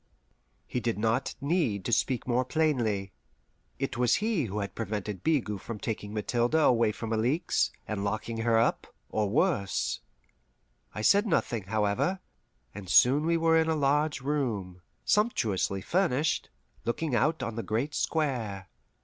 He did not need to speak more plainly. It was he who had prevented Bigot from taking Mathilde away from Alixe, and locking her up, or worse. I said nothing, however, and soon we were in a large room, sumptuously furnished, looking out on the great square.